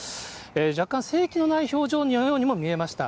若干生気のない表情のようにも見えました。